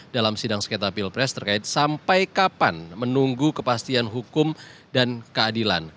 dalam sidang sekretar pilpres terkait sampai kapan menunggu kepastian hukum dan keadilan